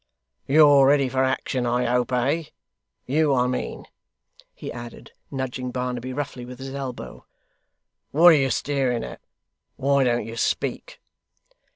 You're ready for action I hope, eh? You, I mean,' he added, nudging Barnaby roughly with his elbow. 'What are you staring at? Why don't you speak?